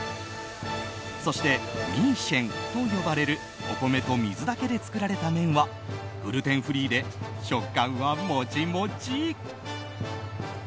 そしてミーシェンと呼ばれるお米と水だけで作られた麺はグルテンフリーで食感はモチモチ。